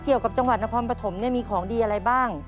เกี่ยวกับจังหวัดนครปฐมมีของดีอะไรบ้าง